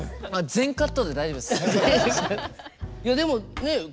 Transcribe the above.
全カットで大丈夫です。